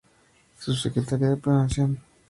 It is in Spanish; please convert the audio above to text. Subsecretaría de Planeación.